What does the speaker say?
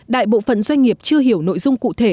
đại bộ phận doanh nghiệp chưa hiểu nội dung cụ thể